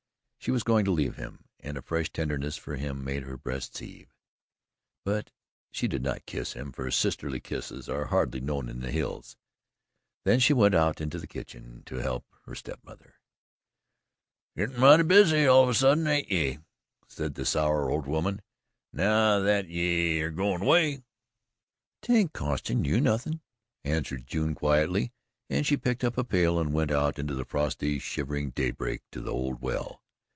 She was going to leave him, and a fresh tenderness for him made her breast heave, but she did not kiss him, for sisterly kisses are hardly known in the hills. Then she went out into the kitchen to help her step mother. "Gittin' mighty busy, all of a sudden, ain't ye," said the sour old woman, "now that ye air goin' away." "'Tain't costin' you nothin'," answered June quietly, and she picked up a pail and went out into the frosty, shivering daybreak to the old well.